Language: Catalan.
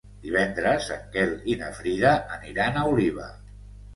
Divendres en Quel i na Frida aniran a Oliva.